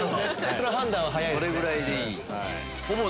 その判断は早いですね。